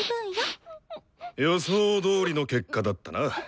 予想どおりの結果だったな。